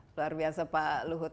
luar biasa pak luhut